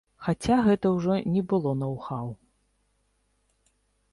Хаця гэта ўжо не было ноў-хаў.